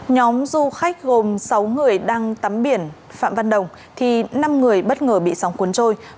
nhóm du khách gồm sáu người đang tắm biển phạm văn đồng thì năm người bất ngờ bị sóng cuốn trôi